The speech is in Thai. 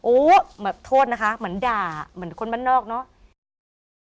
แบบโทษนะคะเหมือนด่าเหมือนคนบ้านนอกเนอะ